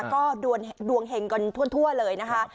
ก็ดวงเห็งกันทั่วเลยนะคะ